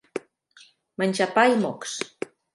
Menjar pa i mocs.